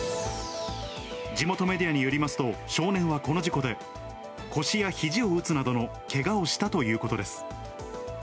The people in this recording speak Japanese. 地元メディアによりますと、少年はこの事故で、腰やひじを打つなどのけがをしたということです。